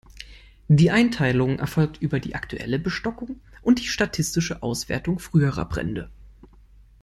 Die Einteilung erfolgt über die aktuelle Bestockung und die statistische Auswertung früherer Brände.